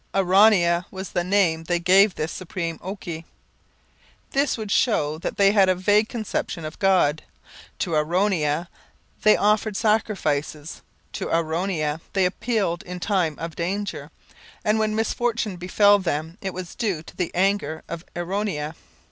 Aronhia was the name they gave this supreme oki. This would show that they had a vague conception of God. To Aronhia they offered sacrifices, to Aronhia they appealed in time of danger, and when misfortune befell them it was due to the anger of Aronhia.